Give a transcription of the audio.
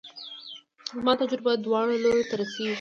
زما تجربه دواړو لورو ته رسېږي.